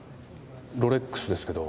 ロレックスですけど。